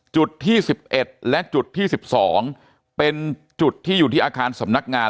จุดที่๑๑และจุดที่๑๒เป็นจุดที่อยู่ที่อาคารสำนักงาน